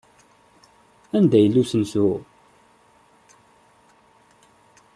Anda yella usensu?